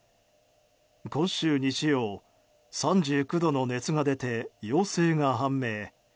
今週日曜、３９度の熱が出て陽性が判明。